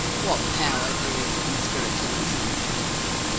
What power there is in spiritualism!